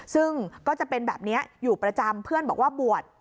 ซึ่งก็จะเป็นแบบนี้อยู่ประจำเพื่อนบอกว่าบวช